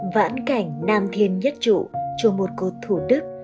vãn cảnh nam thiên nhất trụ chùa một cột thủ đức